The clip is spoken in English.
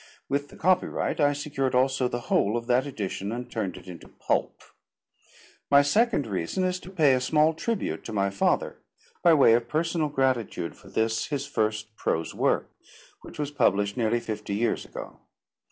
With the copyright I secured also the whole of that edition and turned it into pulp. My second reason is to pay a small tribute to my father by way of personal gratitude for this, his first prose work, which was published nearly fifty years ago.